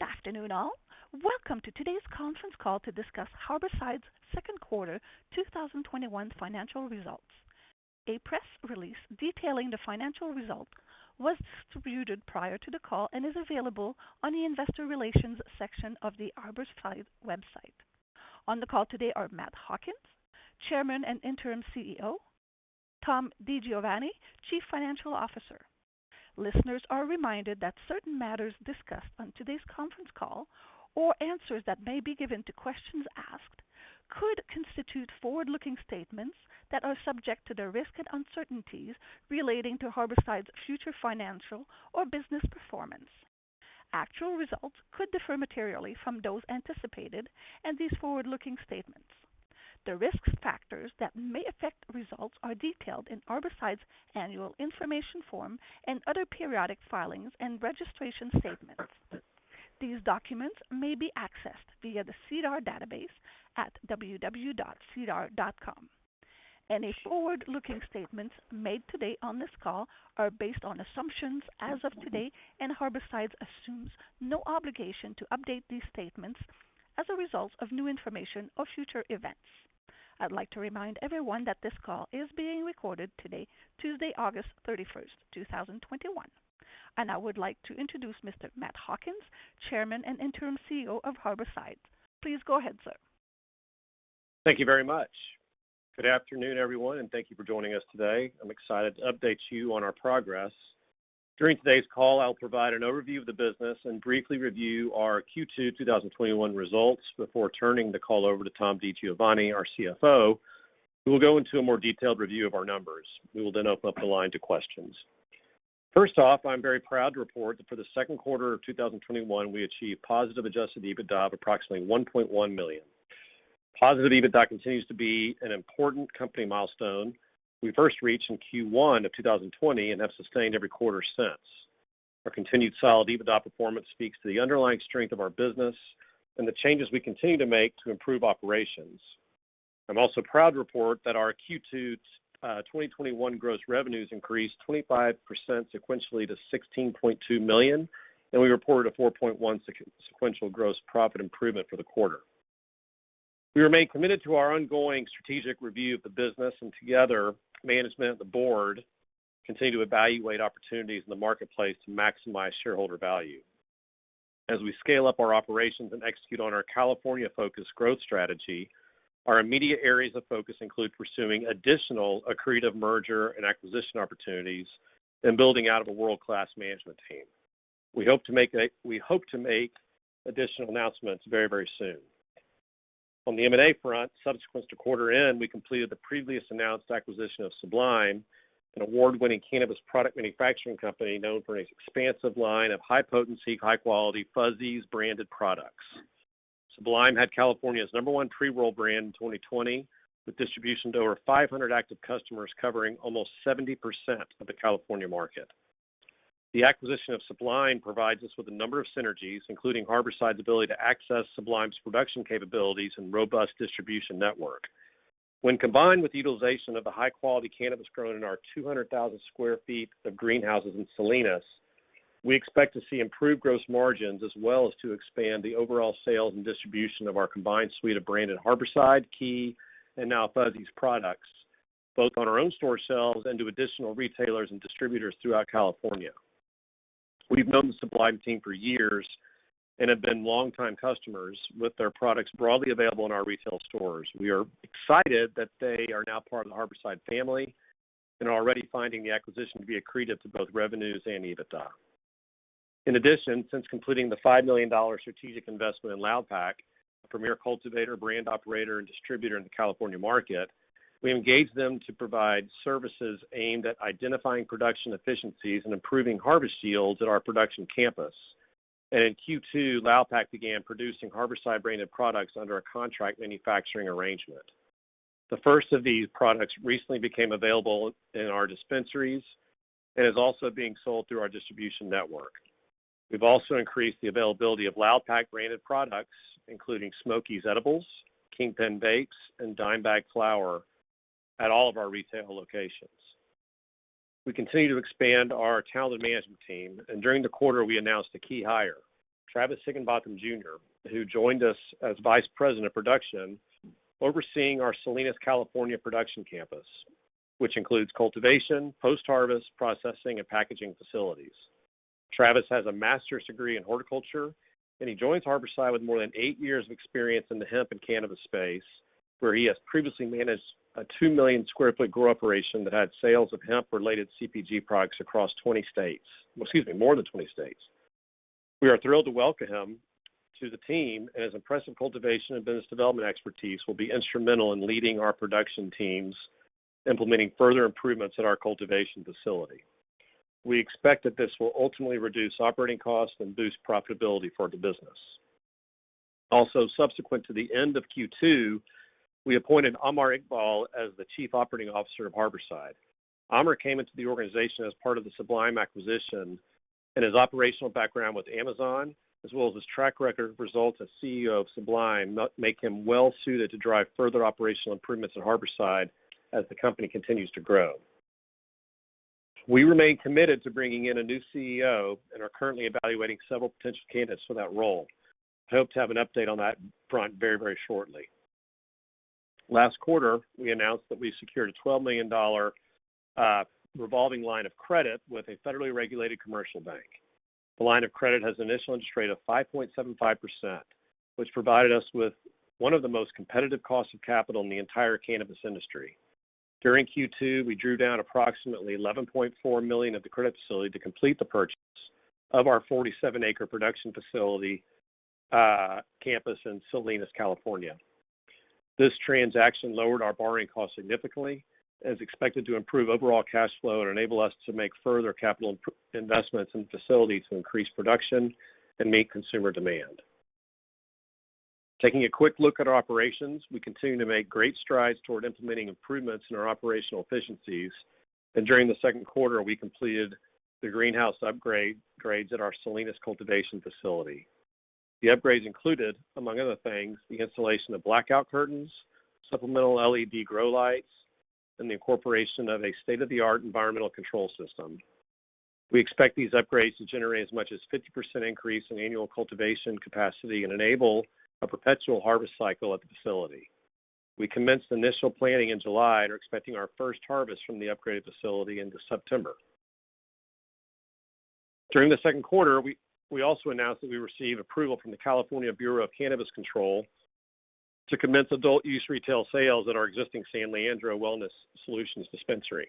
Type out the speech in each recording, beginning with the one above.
Good afternoon, all. Welcome to today's conference call to discuss Harborside's Second Quarter 2021 Financial Results. A press release detailing the financial results was distributed prior to the call and is available on the investor relations section of the Harborside website. On the call today are Matt Hawkins, Chairman and Interim CEO, Tom DiGiovanni, Chief Financial Officer. Listeners are reminded that certain matters discussed on today's conference call or answers that may be given to questions asked, could constitute forward-looking statements that are subject to the risk and uncertainties relating to Harborside's future financial or business performance. Actual results could differ materially from those anticipated in these forward-looking statements. The risk factors that may affect results are detailed in Harborside's annual information form and other periodic filings and registration statements. These documents may be accessed via the SEDAR database at www.sedar.com. Any forward-looking statements made today on this call are based on assumptions as of today, and Harborside assumes no obligation to update these statements as a result of new information or future events. I'd like to remind everyone that this call is being recorded today, Tuesday, August 31st, 2021. I would like to introduce Mr. Matt Hawkins, Chairman and Interim CEO of Harborside. Please go ahead, sir. Thank you very much. Good afternoon, everyone, and thank you for joining us today. I'm excited to update you on our progress. During today's call, I'll provide an overview of the business and briefly review our Q2 2021 results before turning the call over to Tom DiGiovanni, our CFO, who will go into a more detailed review of our numbers. We will then open up the line to questions. First off, I'm very proud to report that for the second quarter of 2021, we achieved positive adjusted EBITDA of approximately $1.1 million. Positive EBITDA continues to be an important company milestone we first reached in Q1 of 2020 and have sustained every quarter since. Our continued solid EBITDA performance speaks to the underlying strength of our business and the changes we continue to make to improve operations. I'm also proud to report that our Q2 2021 gross revenues increased 25% sequentially to $16.2 million, and we reported a 4.1% sequential gross profit improvement for the quarter. Together, management and the board continue to evaluate opportunities in the marketplace to maximize shareholder value. As we scale up our operations and execute on our California-focused growth strategy, our immediate areas of focus include pursuing additional accretive merger and acquisition opportunities and building out a world-class management team. We hope to make additional announcements very soon. On the M&A front, subsequent to quarter end, we completed the previously announced acquisition of Sublime, an award-winning cannabis product manufacturing company known for its expansive line of high-potency, high-quality Fuzzies branded products. Sublime had California's number one pre-roll brand in 2020, with distribution to over 500 active customers covering almost 70% of the California market. The acquisition of Sublime provides us with a number of synergies, including Harborside's ability to access Sublime's production capabilities and robust distribution network. When combined with the utilization of the high-quality cannabis grown in our 200,000 sq ft of greenhouses in Salinas, we expect to see improved gross margins as well as to expand the overall sales and distribution of our combined suite of branded Harborside, Key, and now Fuzzies products, both on our own store sales and to additional retailers and distributors throughout California. We've known the Sublime team for years and have been longtime customers, with their products broadly available in our retail stores. We are excited that they are now part of the Harborside family and are already finding the acquisition to be accretive to both revenues and EBITDA. In addition, since completing the $5 million strategic investment in Loudpack, a premier cultivator, brand operator, and distributor in the California market, we engaged them to provide services aimed at identifying production efficiencies and improving harvest yields at our production campus. In Q2, Loudpack began producing Harborside-branded products under a contract manufacturing arrangement. The first of these products recently became available in our dispensaries and is also being sold through our distribution network. We've also increased the availability of Loudpack-branded products, including Smokiez Edibles, Kingpen Vapes, and Dime Bag Flower, at all of our retail locations. We continue to expand our talented management team. During the quarter, we announced a key hire. Travis Higginbotham Jr., who joined us as Vice President of Production, overseeing our Salinas, California, production campus, which includes cultivation, post-harvest processing, and packaging facilities. Travis has a master's degree in horticulture, and he joins Harborside with more than eight years of experience in the hemp and cannabis space, where he has previously managed a 2 million-sq ft grow operation that had sales of hemp-related CPG products across more than 20 states. We are thrilled to welcome him to the team, and his impressive cultivation and business development expertise will be instrumental in leading our production teams, implementing further improvements at our cultivation facility. We expect that this will ultimately reduce operating costs and boost profitability for the business. Also, subsequent to the end of Q2, we appointed Ahmer Iqbal as the Chief Operating Officer of Harborside. Ahmer came into the organization as part of the Sublime acquisition, and his operational background with Amazon, as well as his track record of results as CEO of Sublime, make him well-suited to drive further operational improvements at Harborside as the company continues to grow. We remain committed to bringing in a new CEO and are currently evaluating several potential candidates for that role. I hope to have an update on that front very shortly. Last quarter, we announced that we secured a $12 million revolving line of credit with a federally regulated commercial bank. The line of credit has an initial interest rate of 5.75%, which provided us with one of the most competitive costs of capital in the entire cannabis industry. During Q2, we drew down approximately $11.4 million of the credit facility to complete the purchase of our 47-acre production facility campus in Salinas, California. This transaction lowered our borrowing costs significantly and is expected to improve overall cash flow and enable us to make further capital investments in the facility to increase production and meet consumer demand. Taking a quick look at our operations, we continue to make great strides toward implementing improvements in our operational efficiencies. During the second quarter, we completed the greenhouse upgrades at our Salinas cultivation facility. The upgrades included, among other things, the installation of blackout curtains, supplemental LED grow lights, and the incorporation of a state-of-the-art environmental control system. We expect these upgrades to generate as much as 50% increase in annual cultivation capacity and enable a perpetual harvest cycle at the facility. We commenced initial planning in July and are expecting our first harvest from the upgraded facility into September. During the second quarter, we also announced that we received approval from the California Bureau of Cannabis Control to commence adult use retail sales at our existing San Leandro Wellness Solutions dispensary,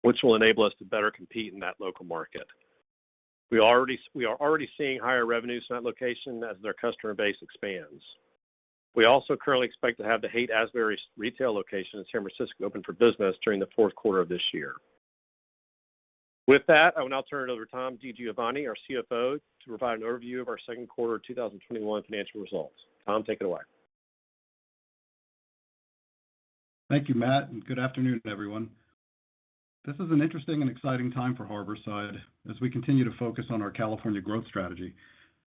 which will enable us to better compete in that local market. We are already seeing higher revenues in that location as their customer base expands. We also currently expect to have the Haight-Ashbury retail location in San Francisco open for business during the fourth quarter of this year. With that, I will now turn it over to Tom DiGiovanni, our CFO, to provide an overview of our second quarter 2021 financial results. Tom, take it away. Thank you, Matt. Good afternoon, everyone. This is an interesting and exciting time for Harborside as we continue to focus on our California growth strategy.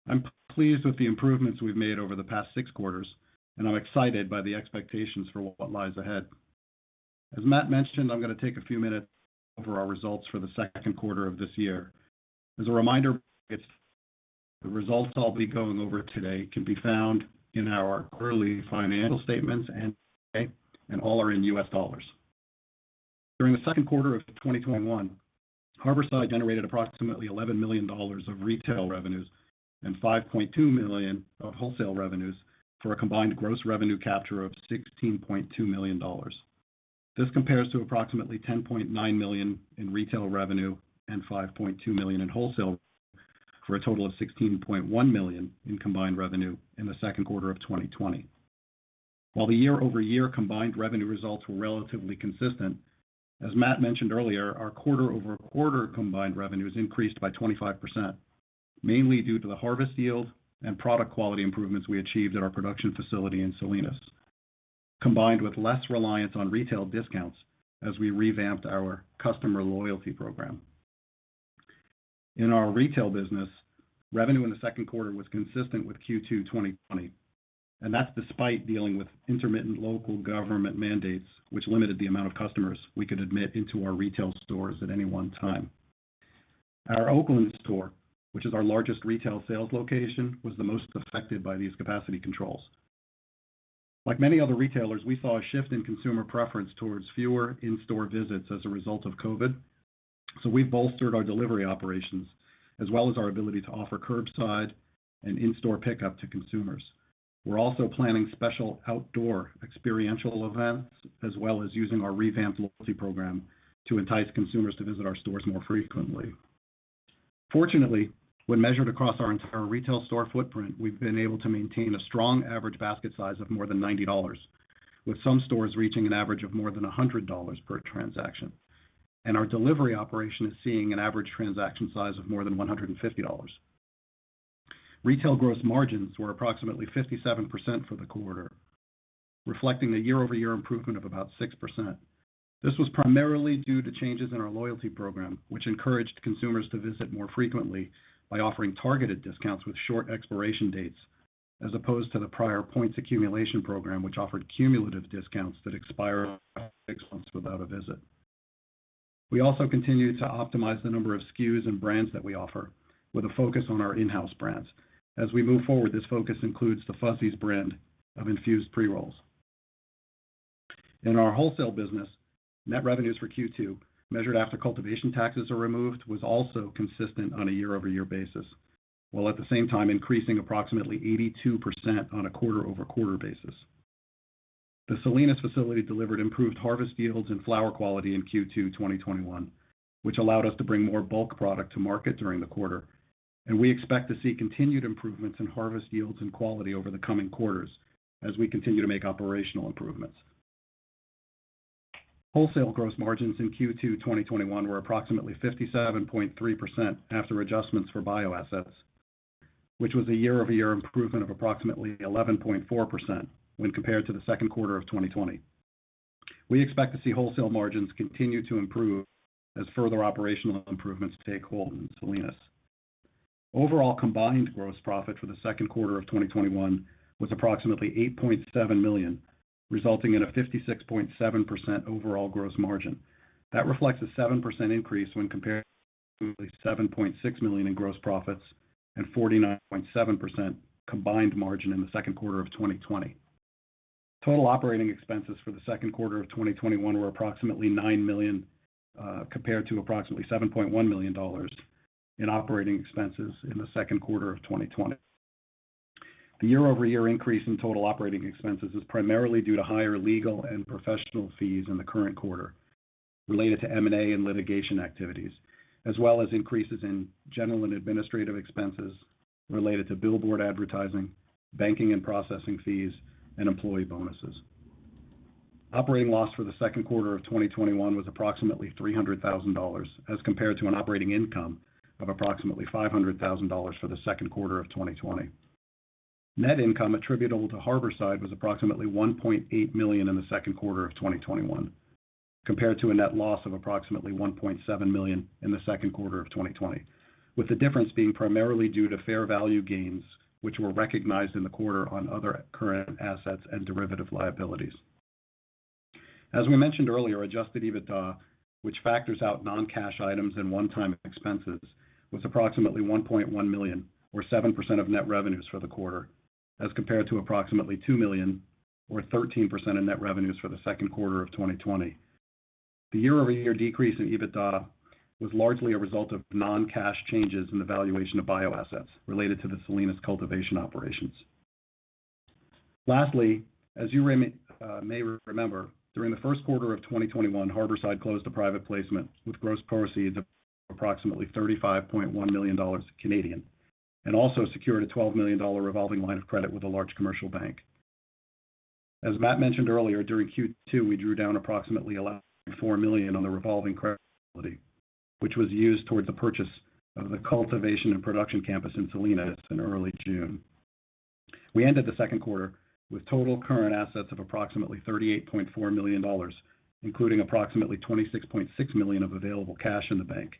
I'm pleased with the improvements we've made over the past six quarters. I'm excited by the expectations for what lies ahead. As Matt mentioned, I'm going to take a few minutes over our results for the second quarter of this year. As a reminder, the results I'll be going over today can be found in our quarterly financial statements and filing. All are in U.S. dollars. During the second quarter of 2021, Harborside generated approximately $11 million of retail revenues and $5.2 million of wholesale revenues for a combined gross revenue capture of $16.2 million. This compares to approximately $10.9 million in retail revenue and $5.2 million in wholesale for a total of $16.1 million in combined revenue in the second quarter of 2020. While the year-over-year combined revenue results were relatively consistent, as Matt mentioned earlier, our quarter-over-quarter combined revenues increased by 25%, mainly due to the harvest yield and product quality improvements we achieved at our production facility in Salinas, combined with less reliance on retail discounts as we revamped our customer loyalty program. In our retail business, revenue in the second quarter was consistent with Q2 2020, and that's despite dealing with intermittent local government mandates, which limited the amount of customers we could admit into our retail stores at any one time. Our Oakland store, which is our largest retail sales location, was the most affected by these capacity controls. Like many other retailers, we saw a shift in consumer preference towards fewer in-store visits as a result of COVID, so we bolstered our delivery operations as well as our ability to offer curbside and in-store pickup to consumers. We're also planning special outdoor experiential events, as well as using our revamped loyalty program to entice consumers to visit our stores more frequently. Fortunately, when measured across our entire retail store footprint, we've been able to maintain a strong average basket size of more than $90, with some stores reaching an average of more than $100 per transaction. Our delivery operation is seeing an average transaction size of more than $150. Retail gross margins were approximately 57% for the quarter, reflecting a year-over-year improvement of about 6%. This was primarily due to changes in our loyalty program, which encouraged consumers to visit more frequently by offering targeted discounts with short expiration dates, as opposed to the prior points accumulation program, which offered cumulative discounts that expire six months without a visit. We also continue to optimize the number of SKUs and brands that we offer, with a focus on our in-house brands. As we move forward, this focus includes the Fuzzies brand of infused pre-rolls. In our wholesale business, net revenues for Q2, measured after cultivation taxes are removed, was also consistent on a year-over-year basis, while at the same time increasing approximately 82% on a quarter-over-quarter basis. The Salinas facility delivered improved harvest yields and flower quality in Q2 2021, which allowed us to bring more bulk product to market during the quarter, and we expect to see continued improvements in harvest yields and quality over the coming quarters as we continue to make operational improvements. Wholesale gross margins in Q2 2021 were approximately 57.3% after adjustments for bio-assets, which was a year-over-year improvement of approximately 11.4% when compared to the second quarter of 2020. We expect to see wholesale margins continue to improve as further operational improvements take hold in Salinas. Overall combined gross profit for the second quarter of 2021 was approximately $8.7 million, resulting in a 56.7% overall gross margin. That reflects a 7% increase when compared to the $7.6 million in gross profits and 49.7% combined margin in the second quarter of 2020. Total operating expenses for the second quarter of 2021 were approximately $9 million, compared to approximately $7.1 million in operating expenses in the second quarter of 2020. The year-over-year increase in total operating expenses is primarily due to higher legal and professional fees in the current quarter related to M&A and litigation activities, as well as increases in general and administrative expenses related to billboard advertising, banking and processing fees, and employee bonuses. Operating loss for the second quarter of 2021 was approximately $300,000 as compared to an operating income of approximately $500,000 for the second quarter of 2020. Net income attributable to Harborside was approximately $1.8 million in the second quarter of 2021, compared to a net loss of approximately $1.7 million in the second quarter of 2020, with the difference being primarily due to fair value gains, which were recognized in the quarter on other current assets and derivative liabilities. As we mentioned earlier, adjusted EBITDA, which factors out non-cash items and one-time expenses, was approximately $1.1 million, or 7% of net revenues for the quarter, as compared to approximately $2 million, or 13% of net revenues for the second quarter of 2020. The year-over-year decrease in EBITDA was largely a result of non-cash changes in the valuation of bio-assets related to the Salinas cultivation operations. Lastly, as you may remember, during the first quarter of 2021, Harborside closed a private placement with gross proceeds of approximately 35.1 million Canadian dollars, and also secured a $12 million revolving line of credit with a large commercial bank. As Matt mentioned earlier, during Q2, we drew down approximately $11.4 million on the revolving credit facility, which was used towards the purchase of the cultivation and production campus in Salinas in early June. We ended the second quarter with total current assets of approximately $38.4 million, including approximately $26.6 million of available cash in the bank.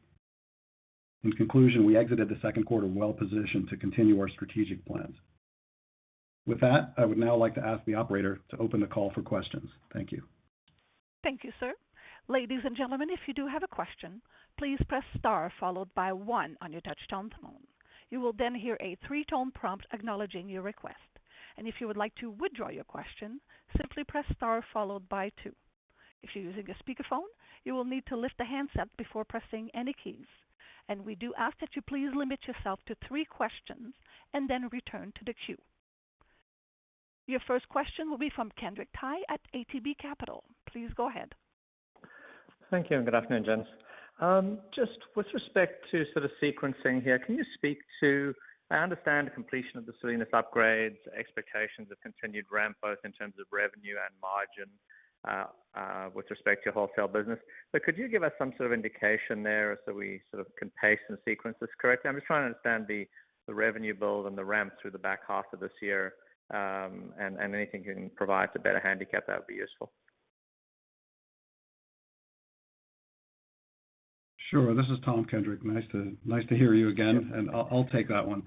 In conclusion, we exited the second quarter well-positioned to continue our strategic plans. With that, I would now like to ask the operator to open the call for questions. Thank you. Thank you, sir. Ladies and gentlemen, if you do have a question, please press star followed by one on your touch-tone phone. You will then hear a three-tone prompt acknowledging your request. If you would like to withdraw your question, simply press star followed by two. If you're using a speakerphone, you will need to lift the handset before pressing any keys. We do ask that you please limit yourself to three questions and then return to the queue. Your first question will be from Frederico Gomes at ATB Capital. Please go ahead. Thank you, and good afternoon, gents. Just with respect to sort of sequencing here, can you speak to, I understand the completion of the Salinas upgrades, expectations of continued ramp both in terms of revenue and margin, with respect to your wholesale business. Could you give us some sort of indication there so we sort of can pace and sequence this correctly? I'm just trying to understand the revenue build and the ramp through the back half of this year, and anything you can provide to better handicap that would be useful. Sure. This is Tom, Kendrick. Nice to hear you again, and I'll take that one.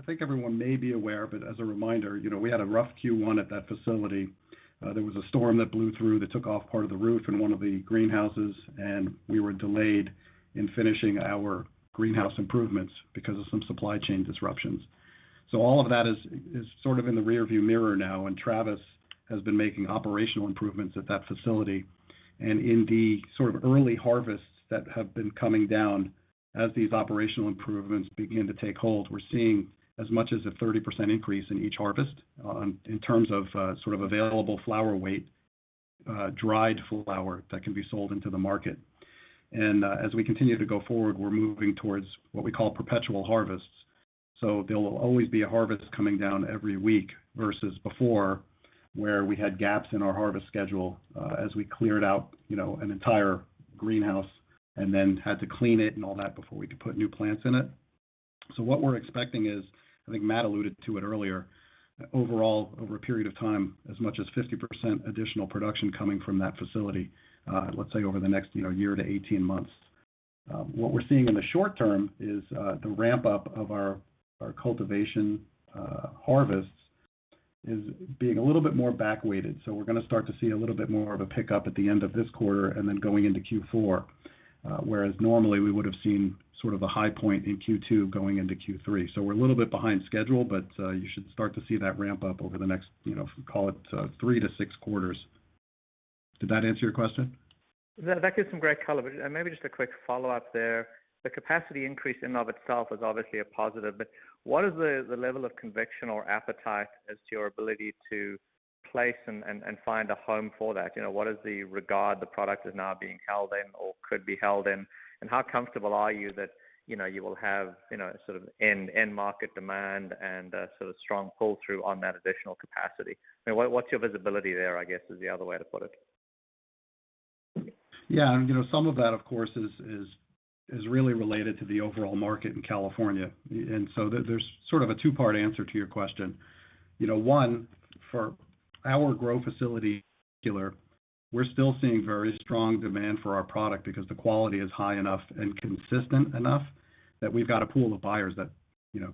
I think everyone may be aware, but as a reminder, we had a rough Q1 at that facility. There was a storm that blew through that took off part of the roof in one of the greenhouses, and we were delayed in finishing our greenhouse improvements because of some supply chain disruptions. All of that is sort of in the rear-view mirror now, and Travis has been making operational improvements at that facility. In the sort of early harvests that have been coming down as these operational improvements begin to take hold, we're seeing as much as a 30% increase in each harvest in terms of sort of available flower weight, dried flower that can be sold into the market. As we continue to go forward, we're moving towards what we call perpetual harvests. There will always be a harvest coming down every week, versus before, where we had gaps in our harvest schedule, as we cleared out an entire greenhouse and then had to clean it and all that before we could put new plants in it. What we're expecting is, I think Matt alluded to it earlier, overall, over a period of time, as much as 50% additional production coming from that facility, let's say over the next 1 year to 18 months. What we're seeing in the short term is the ramp-up of our cultivation harvests is being a little bit more back-weighted. We're going to start to see a little bit more of a pickup at the end of this quarter and then going into Q4. Whereas normally we would've seen sort of a high point in Q2 going into Q3. We're a little bit behind schedule, but you should start to see that ramp up over the next, call it, three to six quarters. Did that answer your question? That gives some great color. Maybe just a quick follow-up there. The capacity increase in and of itself is obviously a positive, but what is the level of conviction or appetite as to your ability to place and find a home for that? What is the regard the product is now being held in or could be held in, and how comfortable are you that you will have end-market demand and sort of strong pull-through on that additional capacity? What's your visibility there, I guess is the other way to put it? Yeah. Some of that, of course, is really related to the overall market in California. There's sort of a two-part answer to your question. One, for our grow facility in particular. We're still seeing very strong demand for our product because the quality is high enough and consistent enough that we've got a pool of buyers that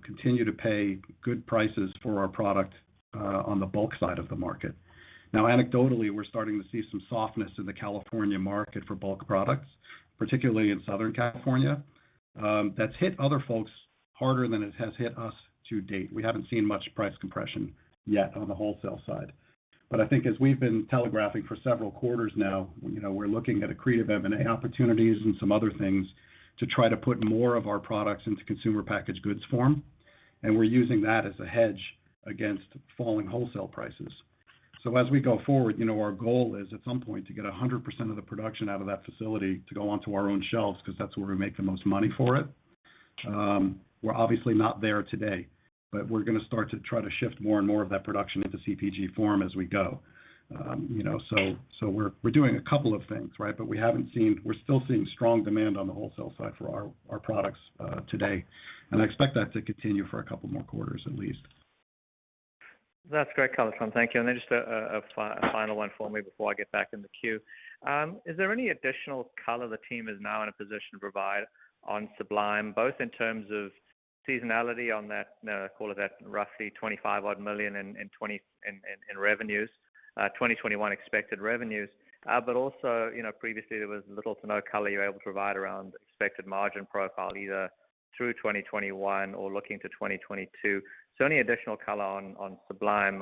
continue to pay good prices for our product on the bulk side of the market. Now, anecdotally, we're starting to see some softness in the California market for bulk products, particularly in Southern California. That's hit other folks harder than it has hit us to date. We haven't seen much price compression yet on the wholesale side. I think as we've been telegraphing for several quarters now, we're looking at accretive M&A opportunities and some other things to try to put more of our products into consumer packaged goods form. We're using that as a hedge against falling wholesale prices. As we go forward, our goal is at some point to get 100% of the production out of that facility to go onto our own shelves, because that's where we make the most money for it. We're obviously not there today, but we're going to start to try to shift more and more of that production into CPG form as we go. We're doing a couple of things, but we're still seeing strong demand on the wholesale side for our products today. I expect that to continue for a couple more quarters at least. That's great color, Tom. Thank you. Just a final one for me before I get back in the queue. Is there any additional color the team is now in a position to provide on Sublime, both in terms of seasonality on that, call it, roughly $25 million in revenues, 2021 expected revenues. Previously there was little to no color you were able to provide around expected margin profile, either through 2021 or looking to 2022. Any additional color on Sublime,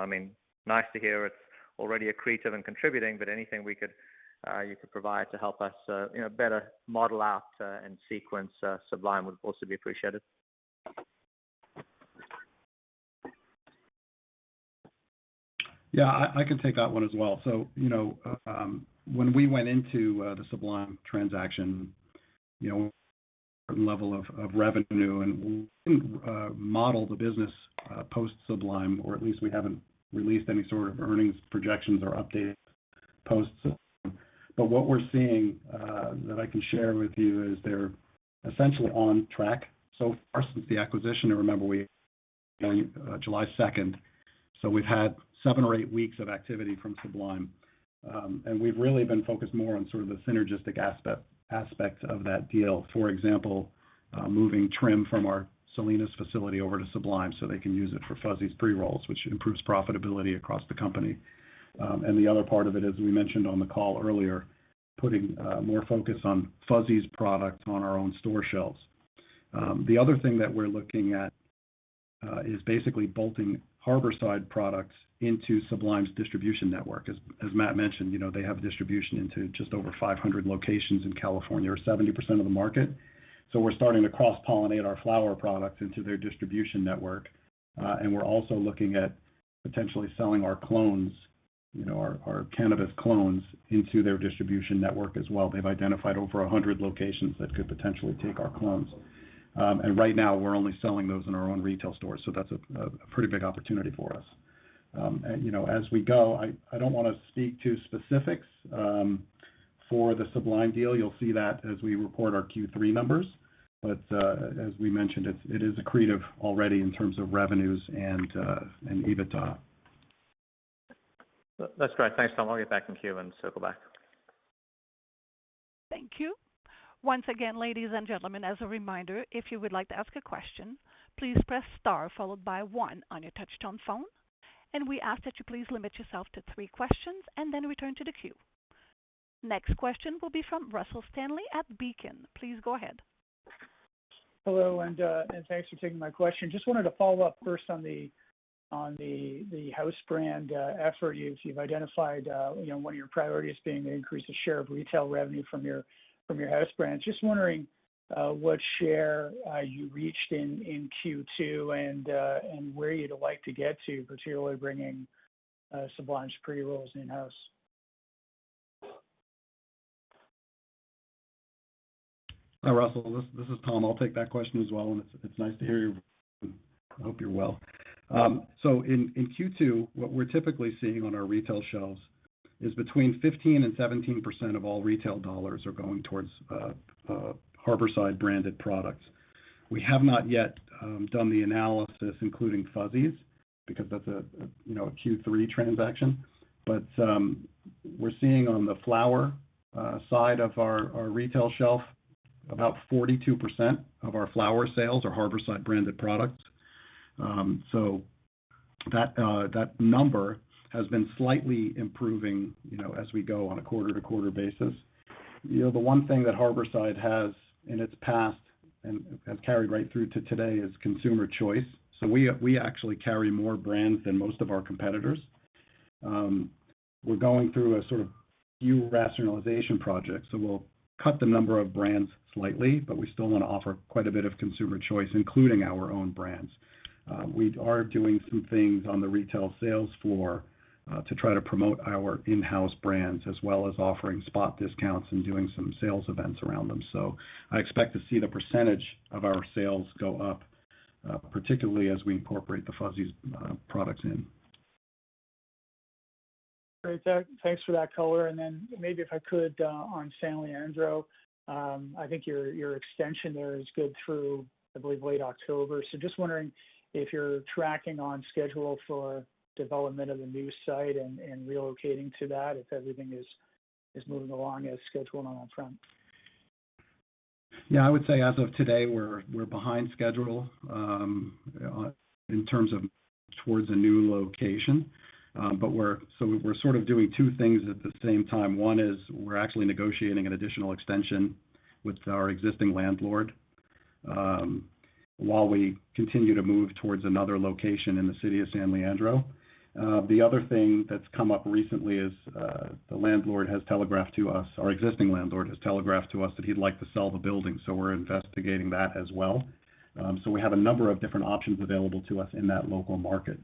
nice to hear it's already accretive and contributing, but anything you could provide to help us better model out and sequence Sublime would also be appreciated. I can take that one as well. When we went into the Sublime transaction, a level of revenue and model the business post-Sublime, or at least we haven't released any sort of earnings projections or updates post-Sublime. What we're seeing, that I can share with you, is they're essentially on track so far since the acquisition, and remember, we on July 2nd. We've had seven or eight weeks of activity from Sublime. We've really been focused more on sort of the synergistic aspect of that deal. For example, moving trim from our Salinas facility over to Sublime so they can use it for Fuzzies pre-rolls, which improves profitability across the company. The other part of it, as we mentioned on the call earlier, putting more focus on Fuzzies product on our own store shelves. The other thing that we're looking at is basically bolting Harborside products into Sublime's distribution network. As Matt mentioned, they have distribution into just over 500 locations in California, or 70% of the market. We're starting to cross-pollinate our flower products into their distribution network. We're also looking at potentially selling our cannabis clones into their distribution network as well. They've identified over 100 locations that could potentially take our clones. Right now, we're only selling those in our own retail stores, so that's a pretty big opportunity for us. As we go, I don't want to speak to specifics for the Sublime deal. You'll see that as we report our Q3 numbers. As we mentioned, it is accretive already in terms of revenues and EBITDA. That's great. Thanks, Tom. I'll get back in queue and circle back. Thank you. Once again, ladies and gentlemen, as a reminder, if you would like to ask a question, please press star followed by one on your touch-tone phone. We ask that you please limit yourself to three questions and then return to the queue. Next question will be from Russell Stanley at Beacon. Please go ahead. Hello, and thanks for taking my question. Just wanted to follow up first on the house brand effort. You've identified one of your priorities being to increase the share of retail revenue from your house brands. Just wondering what share you reached in Q2 and where you'd like to get to, particularly bringing Sublime's pre-rolls in-house. Hi, Russell. This is Tom. I'll take that question as well, and it is nice to hear your voice. I hope you are well. In Q2, what we are typically seeing on our retail shelves is between 15% and 17% of all retail dollars are going towards Harborside-branded products. We have not yet done the analysis including Fuzzies, because that is a Q3 transaction. We are seeing on the flower side of our retail shelf, about 42% of our flower sales are Harborside-branded products. That number has been slightly improving as we go on a quarter-to-quarter basis. The one thing that Harborside has in its past and has carried right through to today is consumer choice. We actually carry more brands than most of our competitors. We're going through a sort of SKU rationalization project, so we'll cut the number of brands slightly, but we still want to offer quite a bit of consumer choice, including our own brands. We are doing some things on the retail sales floor to try to promote our in-house brands, as well as offering spot discounts and doing some sales events around them. I expect to see the percentage of our sales go up, particularly as we incorporate the Fuzzies products in. Great. Thanks for that color. Maybe if I could, on San Leandro, I think your extension there is good through, I believe, late October. Just wondering if you're tracking on schedule for development of the new site and relocating to that, if everything is moving along as scheduled on that front. Yeah, I would say as of today, we're behind schedule in terms of towards a new location. We're sort of doing two things at the same time. One is we're actually negotiating an additional extension with our existing landlord, while we continue to move towards another location in the city of San Leandro. The other thing that's come up recently is, our existing landlord has telegraphed to us that he'd like to sell the building, so we're investigating that as well. We have a number of different options available to us in that local market.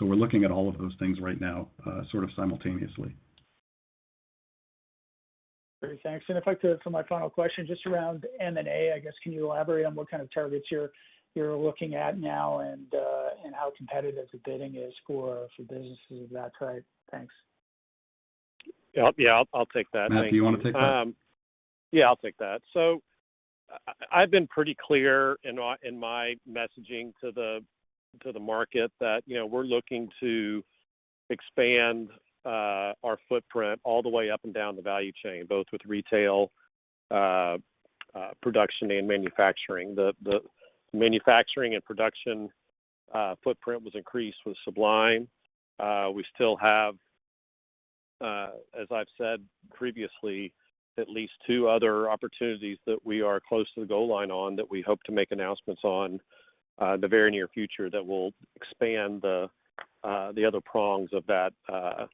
We're looking at all of those things right now, sort of simultaneously. Great. Thanks. If I could, for my final question, just around M&A, I guess, can you elaborate on what kind of targets you're looking at now and how competitive the bidding is for businesses of that type? Thanks. Yeah. I'll take that. Thank you. Matt, do you want to take that? Yeah, I'll take that. I've been pretty clear in my messaging to the market that we're looking to expand our footprint all the way up and down the value chain, both with retail, production, and manufacturing. The manufacturing and production footprint was increased with Sublime. We still have, as I've said previously, at least two other opportunities that we are close to the goal line on, that we hope to make announcements on the very near future that will expand the other prongs of that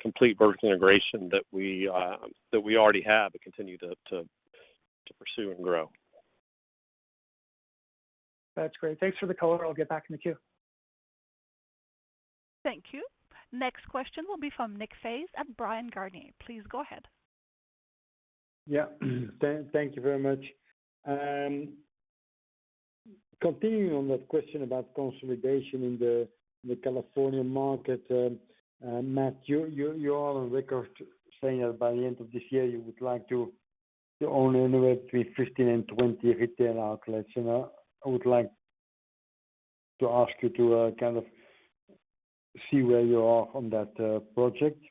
complete vertical integration that we already have, but continue to pursue and grow. That's great. Thanks for the color. I'll get back in the queue. Thank you. Next question will be from Nik Faes at Bryan, Garnier. Please go ahead. Yeah. Thank you very much. Continuing on that question about consolidation in the California market, Matt, you are on record saying that by the end of this year, you would like to own anywhere between 15 and 20 retail outlets. I would like to ask you to kind of see where you are on that project.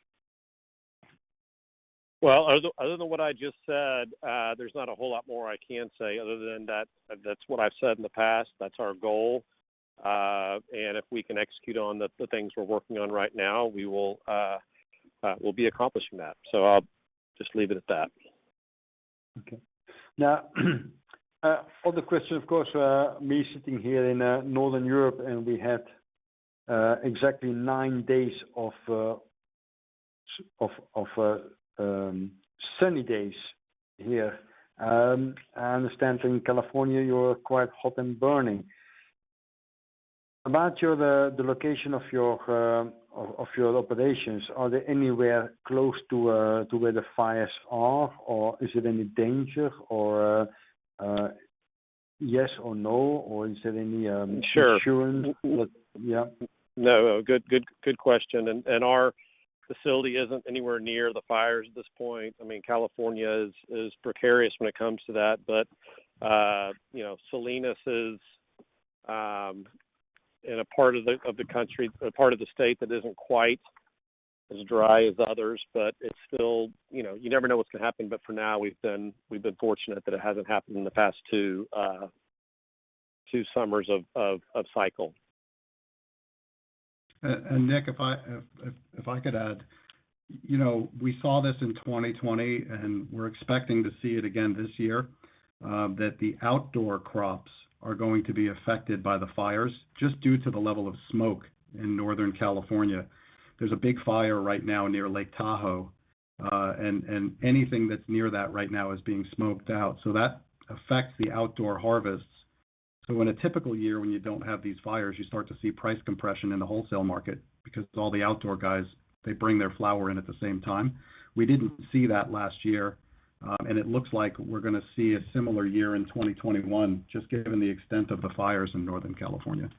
Well, other than what I just said, there's not a whole lot more I can say other than that's what I've said in the past. That's our goal. If we can execute on the things we're working on right now, we'll be accomplishing that. I'll just leave it at that. Okay. Other question, of course, me sitting here in Northern Europe, and we had exactly nine days of sunny days here. I understand from California, you're quite hot and burning. About the location of your operations, are they anywhere close to where the fires are, or is it any danger, or yes or no? Sure insurance? Yeah. No. Good question. Our facility isn't anywhere near the fires at this point. California is precarious when it comes to that, Salinas is in a part of the state that isn't quite as dry as others, you never know what's going to happen. For now, we've been fortunate that it hasn't happened in the past two summers of cycle. Nik, if I could add, we saw this in 2020, and we're expecting to see it again this year, that the outdoor crops are going to be affected by the fires, just due to the level of smoke in Northern California. There's a big fire right now near Lake Tahoe, and anything that's near that right now is being smoked out. That affects the outdoor harvests. In a typical year, when you don't have these fires, you start to see price compression in the wholesale market because all the outdoor guys, they bring their flower in at the same time. We didn't see that last year. It looks like we're going to see a similar year in 2021, just given the extent of the fires in Northern California.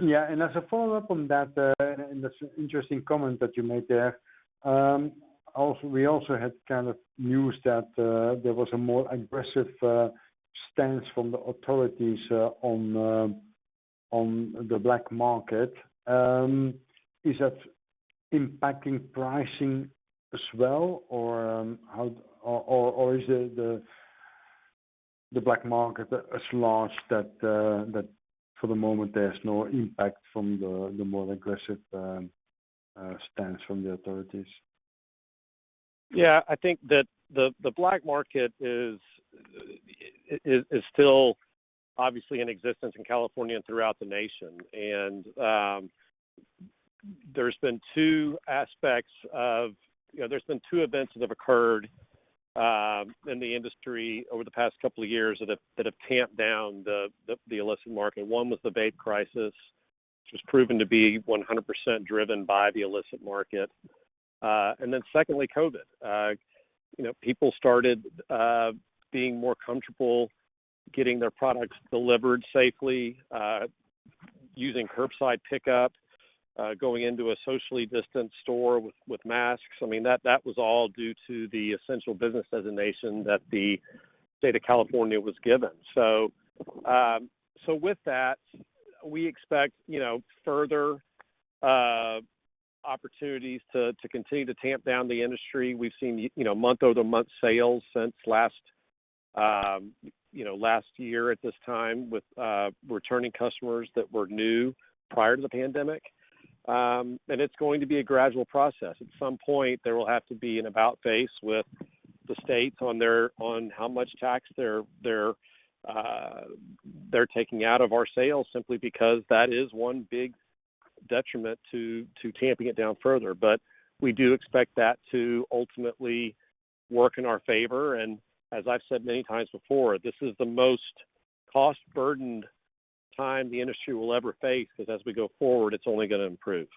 Yeah. As a follow-up on that, and that's an interesting comment that you made there. We also had kind of news that there was a more aggressive stance from the authorities on the black market. Is that impacting pricing as well, or is the black market as large that for the moment, there's no impact from the more aggressive stance from the authorities? Yeah, I think that the black market is still obviously in existence in California and throughout the nation. There's been two events that have occurred in the industry over the past couple of years that have tamped down the illicit market. One was the vape crisis, which was proven to be 100% driven by the illicit market. Then secondly, COVID. People started being more comfortable getting their products delivered safely, using curbside pickup, going into a socially distant store with masks. That was all due to the essential business designation that the State of California was given. With that, we expect further opportunities to continue to tamp down the industry. We've seen month-over-month sales since last year at this time with returning customers that were new prior to the pandemic. It's going to be a gradual process. At some point, there will have to be an about face with the states on how much tax they're taking out of our sales simply because that is one big detriment to tamping it down further. We do expect that to ultimately work in our favor, and as I've said many times before, this is the most cost-burdened time the industry will ever face, because as we go forward, it's only going to improve.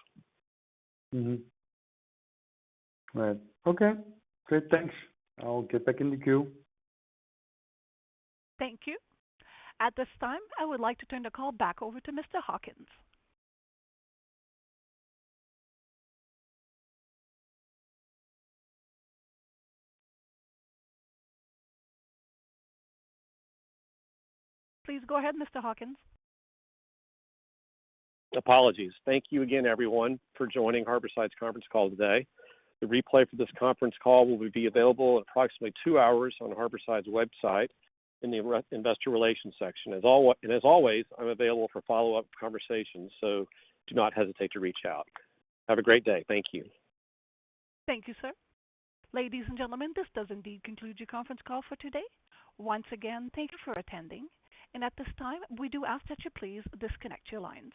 All right. Okay. Great. Thanks. I'll get back in the queue. Thank you. At this time, I would like to turn the call back over to Mr. Hawkins. Please go ahead, Mr. Hawkins. Apologies. Thank you again, everyone, for joining Harborside's conference call today. The replay for this conference call will be available in approximately two hours on Harborside's website in the Investor Relations section. As always, I'm available for follow-up conversations, so do not hesitate to reach out. Have a great day. Thank you. Thank you, sir. Ladies and gentlemen, this does indeed conclude your conference call for today. Once again, thank you for attending. At this time, we do ask that you please disconnect your lines.